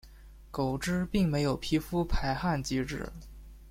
狗只并没有皮肤排汗机制。